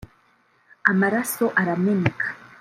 amaraso arameneka